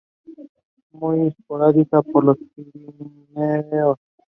Muy esporádica por los Pirineos.